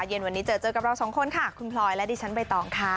เย็นวันนี้เจอเจอกับเราสองคนค่ะคุณพลอยและดิฉันใบตองค่ะ